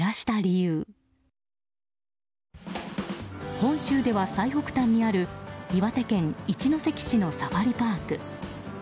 本州では最北端にある岩手県一関市のサファリパーク。